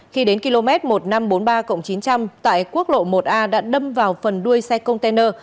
khi đến km một nghìn năm trăm bốn mươi ba chín trăm linh tại quốc lộ một a đã đâm vào phần đuôi xe container